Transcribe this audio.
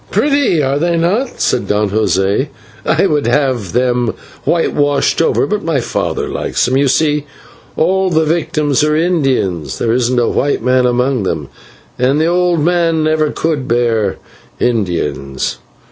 "Pretty, are they not?" said Don José; "I would have them whitewashed over, but my father likes them. You see all the victims are Indians, there isn't a white man among them, and the old man never could bear Indians.